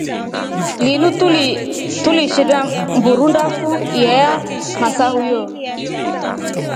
Linu tulishirisha mburu ndafu iya ya masahuyo.